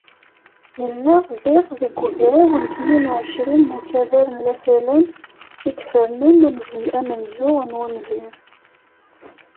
Yella, diɣ, deg ugraw n tnin u εecrin n ukabar n Lafalan i ifernen amenzu n wunbir.